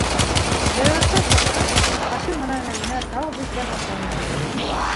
Зыяраттан сыҡҡас, Хашим менән Мәҙинә тау битләп атланылар.